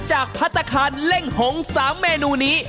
จากพัตตะคันเล่งหงสามเมนูนี้